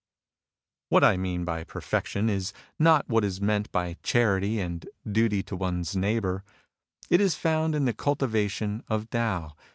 What I mean by perfection is not what is meant by charity and duty to one's neighbour. It is found in the cultivation of Tao.